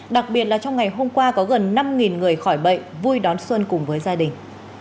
đặc biệt là trong ngày hôm qua có gần năm người khỏi bệnh vui đón xuân cùng với gia đình